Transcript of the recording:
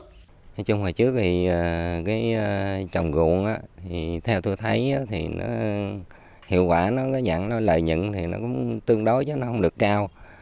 nói chung hồi trước thì trồng gụn theo tôi thấy hiệu quả nó dẫn lợi nhận tương đối chứ không được cao